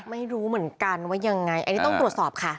ไม่รู้เหมือนกันว่ายังไงอันนี้ต้องตรวจสอบค่ะ